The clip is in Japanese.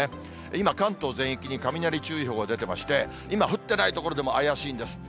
今、関東全域に雷注意報が出てまして、今降ってない所でも怪しいんです。